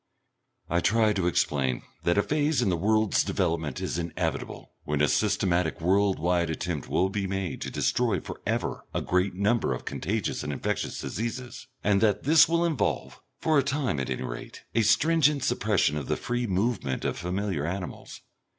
I try to explain that a phase in the world's development is inevitable when a systematic world wide attempt will be made to destroy for ever a great number of contagious and infectious diseases, and that this will involve, for a time at any rate, a stringent suppression of the free movement of familiar animals.